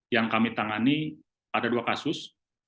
yang kami tangani ada dua kasus